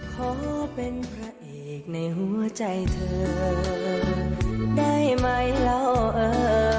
ขอเป็นพระเอกในหัวใจเธอได้ไหมเล่าเออ